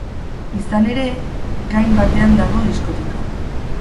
Izan ere, gain batean dago diskoteka.